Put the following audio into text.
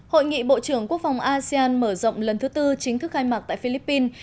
hội nghị bộ trưởng quốc phòng asean mở rộng lần thứ tư chính thức khai mạc tại philippines